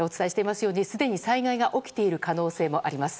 すでに災害が起きている可能性もあります。